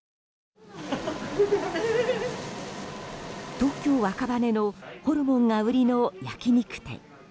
東京・赤羽のホルモンが売りの焼き肉店。